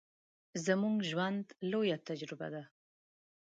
زموږ ژوند، لويه تجربه ده.